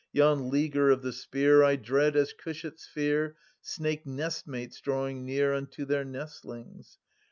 Yon leaguer of the spear 290 1 dread, as cushats fear Snake nestmates drawing near Unto their nestlings.